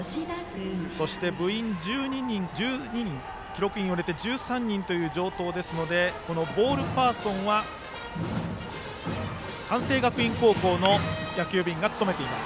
そして部員１２人記録員を入れて１３人という城東なのでボールパーソンは関西学院高校の野球部員です。